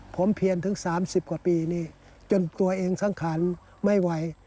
ผมเพียนถึง๓๐กว่าปีนี้จนตัวเองสังขารไม่ไหว